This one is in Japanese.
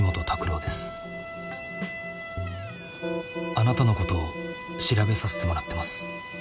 あなたのことを調べさせてもらってます